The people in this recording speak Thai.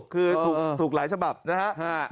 คือถูกหลายฉบับนะฮะ